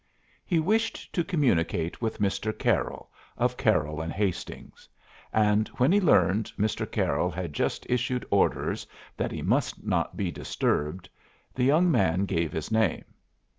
He wished to communicate with Mr. Carroll, of Carroll and Hastings; and when he learned Mr. Carroll had just issued orders that he must not be disturbed, the young man gave his name.